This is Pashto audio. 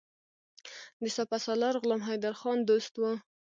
د سپه سالار غلام حیدرخان دوست وو.